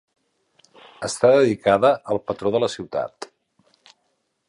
Està dedicada al patró de la ciutat.